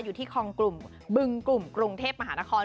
อยู่ที่คลองกลุ่มบึงกลุ่มกรุงเทพมหานคร